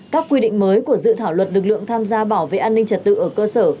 các quy định mới của dự thảo luật lực lượng tham gia bảo vệ an ninh trật tự ở cơ sở